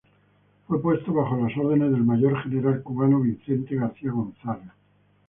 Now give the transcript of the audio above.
Fue puesto bajo las órdenes del Mayor general cubano Vicente García González.